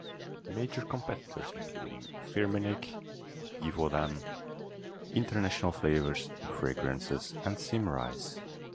Major competitors included Firmenich, Givaudan, International Flavors and Fragrances and Symrise.